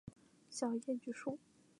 小叶榉树